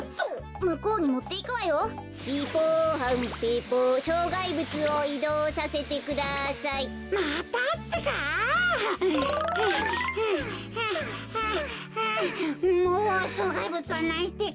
もうしょうがいぶつはないってか。